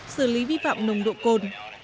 xử lý vi phạm lồng độ cồn